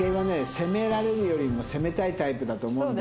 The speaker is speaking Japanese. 攻められるよりも攻めたいタイプだと思うんだ。